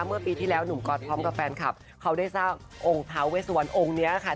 เมื่อปีที่แล้วหนุ่มก๊อตพร้อมกับแฟนคลับเขาได้สร้างองค์ท้าเวสวันองค์นี้ค่ะ